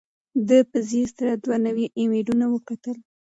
ده په ځیر سره دوه نوي ایمیلونه وکتل.